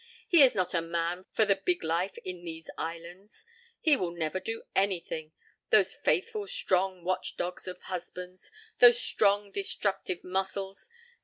He is not a man for the big life in these islands. He will never do anything. Those faithful, strong watch dogs of husbands! Those strong, destructive muscles!